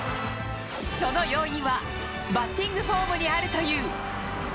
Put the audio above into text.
その要因は、バッティングフォームにあるという。